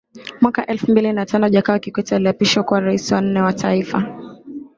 mwaka elfu mbili na tano Jakaya Kikwete aliapishwa kuwa Rais wa nne wa taifa